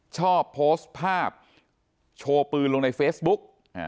ชอบโพสต์ภาพโชว์ปืนลงในเฟซบุ๊ก